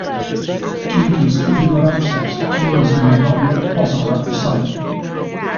Due to its difficult access, tourism is not yet possible at the site.